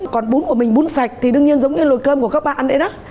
còn bún của mình bún sạch thì đương nhiên giống như lồi cơm của các bạn ấy đó